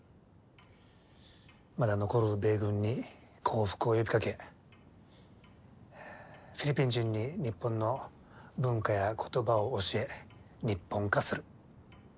まだ残る米軍に降伏を呼びかけフィリピン人に日本の文化や言葉を教え日本化する。